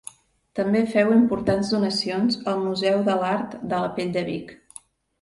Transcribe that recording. També feu importants donacions al Museu de l'Art de la Pell de Vic.